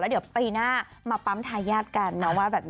เดี๋ยวปีหน้ามาปั๊มทายาทกันนะว่าแบบนี้